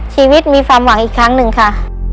ชีวิตมีความหวังอีกครั้งหนึ่งค่ะ